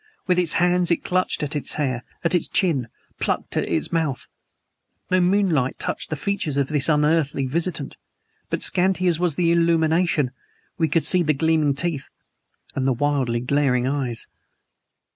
With its hands it clutched at its hair at its chin; plucked at its mouth. No moonlight touched the features of this unearthly visitant, but scanty as was the illumination we could see the gleaming teeth and the wildly glaring eyes.